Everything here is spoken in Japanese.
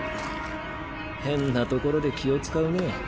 変なところで気を遣うね。